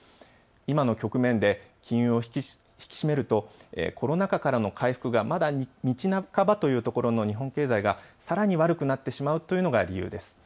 今の局面で金融を引き締めるとコロナ禍からの回復がまだ道半ばという日本経済がさらに悪くなってしまうというのが理由です。